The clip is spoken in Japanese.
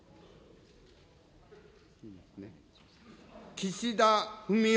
岸田文雄